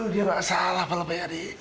dia gak salah pala pak yadi